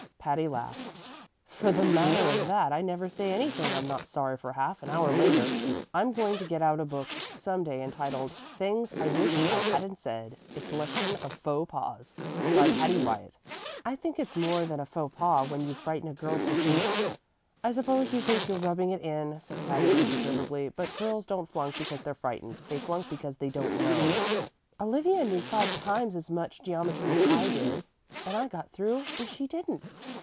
Patty laughed. "For the matter of that, I never say anything I'm not sorry for half an hour later. I'm going to get out a book some day entitled 'Things I Wish I Hadn't Said: A Collection of Faux Pas,' by Patty Wyatt." "I think it's more than a faux pas when you frighten a girl so she " "I suppose you think you're rubbing it in," said Patty, imperturbably; "but girls don't flunk because they're frightened: they flunk because they don't know." "Olivia knew five times as much geometry as I did, and I got through and she didn't."